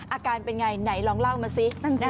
อาการเป็นไงไหนลองเล่ามาสิ